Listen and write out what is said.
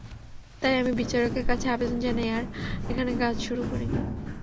তাই আমি বিচারকের কাছে আবেদন জানাই আর এখানে কাজ শুরু করি।